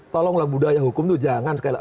tolonglah budaya hukum itu jangan sekali lagi